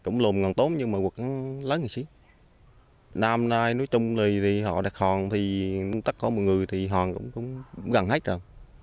năm nay nói chung thì họ đặt hòn thì tất cả mọi người thì hòn cũng gần hết rồi